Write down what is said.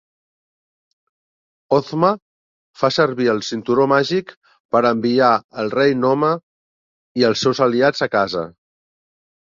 Ozma fa servir el cinturó màgic per enviar el Rei Nome i els seus aliats a casa.